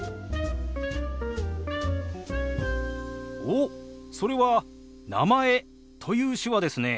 おっそれは「名前」という手話ですね。